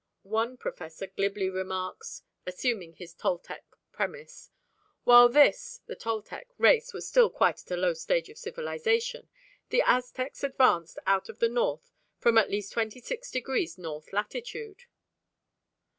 One professor glibly remarks, assuming his Toltec premiss, "While this [the Toltec] race was still quite at a low stage of civilisation the Aztecs advanced out of the north from at least 26° north latitude."